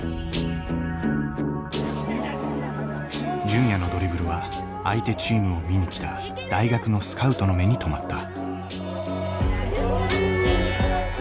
純也のドリブルは相手チームを見に来た大学のスカウトの目に留まった。